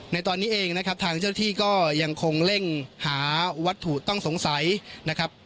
ในตอนนี้เองนะครับทางเจ้าที่ก็ยังคงเร่งหาวัตถุต้องสงสัยนะครับ